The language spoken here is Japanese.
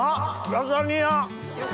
ラザニア！